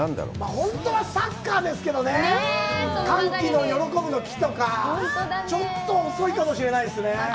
本当はサッカーですけどね、歓喜の喜ぶとか、ちょっと遅いかもしれないですね。